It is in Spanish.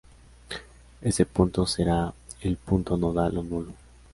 Ese punto será el punto nodal o nulo.